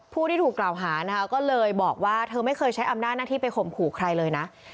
ผู้ที่ถูกกล่าวหานะคะก็เลยบอกว่าเธอไม่เคยใช้อำนาจหน้าที่ไปข่มขู่ใครเลยนะ